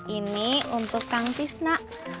ini untuk kang tisna